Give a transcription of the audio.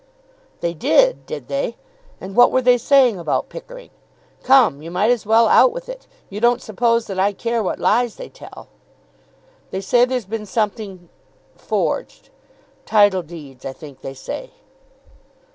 "They did, did they? And what were they saying about Pickering? Come; you might as well out with it. You don't suppose that I care what lies they tell." "They say there's been something forged. Title deeds, I think they say."